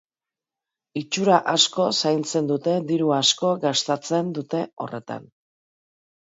Itxura asko zaintzen dute, diru asko gastatzen dute horretan.